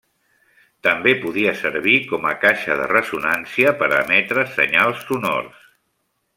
També podia servir com a caixa de ressonància per a emetre senyals sonors.